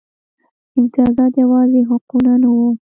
امتیازات یوازې حقونه نه وو.